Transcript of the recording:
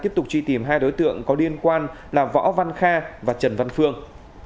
tiếp tục truy tìm hai đối tượng có liên quan là võ văn kha và trần văn phương